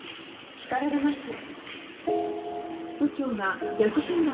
叱られますよ。